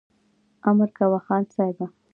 امر کوه خان صاحبه !